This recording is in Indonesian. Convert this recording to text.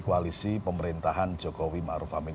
koalisi pemerintahan jokowi marufamin